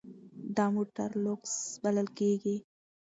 دا موټر لوکس بلل کیږي.